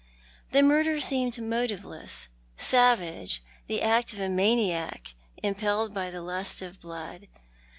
The murder seemed motiveless, savage, the act of a maniac impelled by the lust of blood.